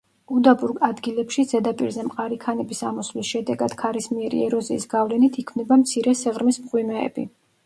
უდაბურ ადგილებში, ზედაპირზე მყარი ქანების ამოსვლის შედეგად ქარისმიერი ეროზიის გავლენით იქმნება მცირე სიღრმის მღვიმეები.